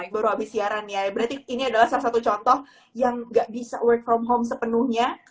baru habis siaran ya berarti ini adalah salah satu contoh yang gak bisa work from home sepenuhnya